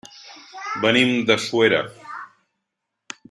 Venim de Suera.